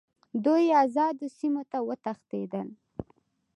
دوی آزادو سیمو ته وتښتېدل.